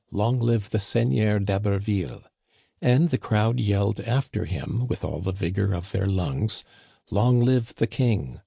Long live the Seigneur d'Haberville !" And the crowd yelled after him with all the vigor of their lungs :'* Long live the King